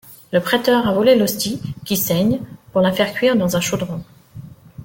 Le prêteur a volé l'hostie, qui saigne, pour la faire cuire dans un chaudron.